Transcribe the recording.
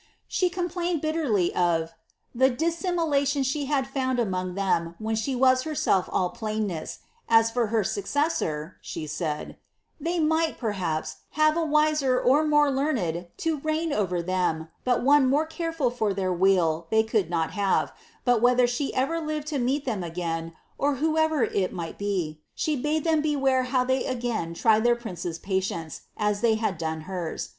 '^ She complained bitterly of ^^ the dissimulation that she had found among them when she was herself all plainness. As for her successor,'^ she aid, ^ they might, perhaps, have a wiser or more learned to reign over tbem, but one more careful for their weal they could not have, but whether she ever lived to meet them again, or whoever it might be, she bade them beware how they again tried their prince's patience, as they had done hers.